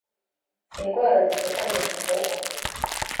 indwara zifata mu muhogo